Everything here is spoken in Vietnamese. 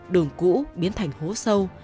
đường cũ biến thành hố sâu